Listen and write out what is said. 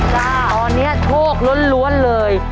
ตอนนี้โชคล้วนเลย